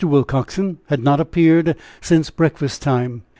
Willcoxen had not appeared since breakfast time.